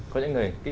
có những người